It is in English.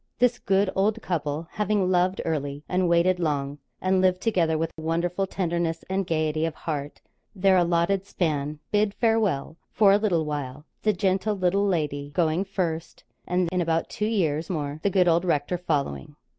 This good old couple, having loved early and waited long, and lived together with wonderful tenderness and gaiety of heart their allotted span, bid farewell for a little while the gentle little lady going first, and, in about two years more, the good rector following.